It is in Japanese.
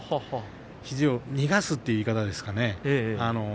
肘を逃がすという言い方ですがね。